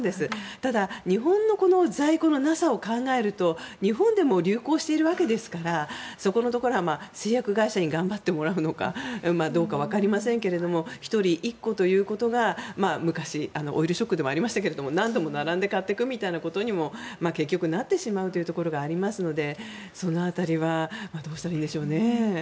ただ、日本の在庫のなさを考えると日本でも流行しているわけですからそこのところは製薬会社に頑張ってもらうのかどうかわかりませんけども１人１個ということが昔、オイルショックでもありましたが何度も並んで買っていくということにも結局、なってしまうというところがありますのでその辺りはどうしたらいいでしょうね。